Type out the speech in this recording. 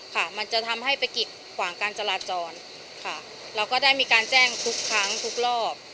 ค่ะมันจะทำให้ไปกิดขวางการจราจรค่ะเราก็ได้มีการแจ้งทุกครั้งทุกรอบ